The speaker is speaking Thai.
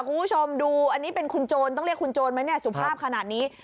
คุณผู้ชมดูอันนี้เป็นคุณโจรต้องเรียกคุณโจรไหมเนี่ยสุภาพขนาดนี้